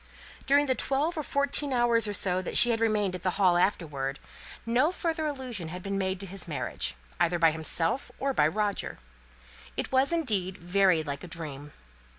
During the twelve or fourteen hours that she had remained at the Hall afterwards, no further allusion had been made to his marriage, either by himself or by Roger. It was, indeed, very like a dream.